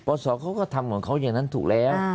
ปอสเขาก็ทำเหมือนเขาอย่างนั้นถูกแล้ว